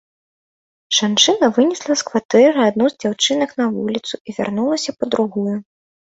Жанчына вынесла з кватэры адну з дзяўчынак на вуліцу і вярнулася па другую.